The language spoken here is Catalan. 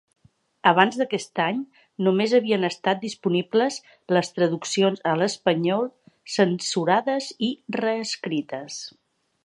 Abans d'aquest any, només havien estat disponibles les traduccions a l'espanyol censurades i reescrites.